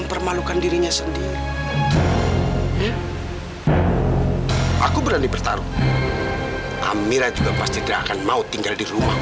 mempermalukan dirinya sendiri aku berani bertaruh amira juga pasti tidak akan mau tinggal di rumah